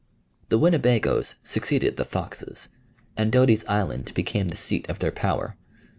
The Winnebagoes succeeded the Foxes, and Doty's Island became the seat of their power.